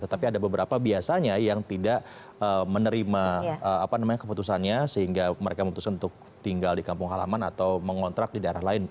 tetapi ada beberapa biasanya yang tidak menerima keputusannya sehingga mereka memutuskan untuk tinggal di kampung halaman atau mengontrak di daerah lain